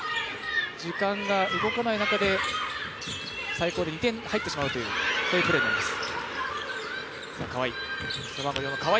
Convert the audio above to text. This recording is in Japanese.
時間が動かない中で最高で２点入ってしまうというそういうプレーになります。